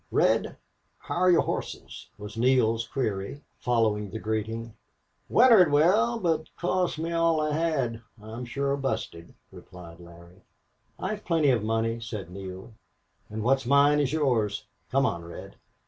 "Red how're your horses?" was Neale's query, following the greeting. "Wintered well, but cost me all I had. I'm shore busted," replied Larry. "I've plenty of money," said Neale, "and what's mine is yours. Come on, Red.